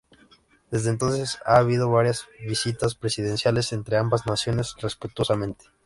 Desde entonces, ha habido varias visitas presidenciales entre ambas naciones respetuosamente.